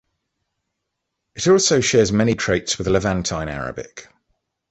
It also shares many traits with Levantine Arabic.